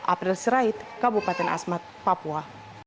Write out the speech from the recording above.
april sirait kabupaten asmat papua